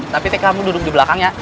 tapi te kamu duduk di belakang ya